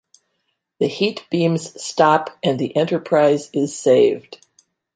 The heat beams stop, and the "Enterprise" is saved.